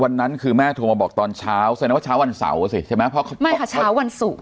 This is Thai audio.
วันนั้นคือแม่โทรมาบอกตอนเช้าซึ่งแน่นว่าเช้าวันเสาร์สิใช่ไหมไม่ค่ะเช้าวันสู่